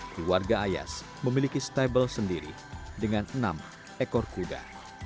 keluarga ayas memiliki stable sendiri dengan enam ekor kuda